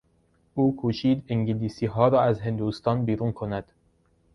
او کوشید انگلیسیها را از هندوستان بیرون کند.